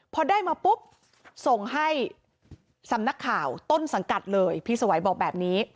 พอได้มาปุ๊บส่งให้สำนักข่าวต้นสังกัดเลยพี่สวัยบอกแบบนี้